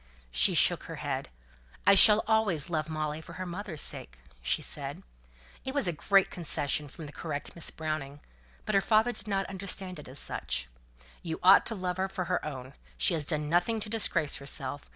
She shook her head. "I shall always love Molly for her mother's sake," she said. And it was a great concession from the correct Miss Browning. But her father did not understand it as such. "You ought to love her for her own. She has done nothing to disgrace herself.